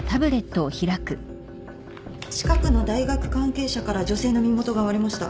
近くの大学関係者から女性の身元が割れました。